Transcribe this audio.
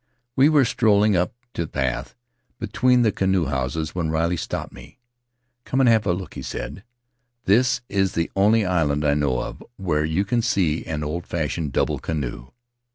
We were strolling up the path between the canoe houses when Riley stopped me. "Come and have a look," he said; "this is the only island I know of where you can see an old fashioned double canoe."